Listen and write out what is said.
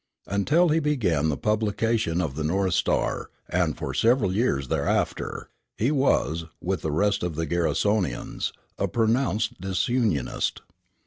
Until he began the publication of the North Star and for several years thereafter, he was, with the rest of the Garrisonians, a pronounced disunionist.